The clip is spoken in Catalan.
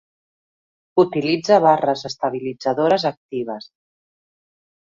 Utilitza barres estabilitzadores actives.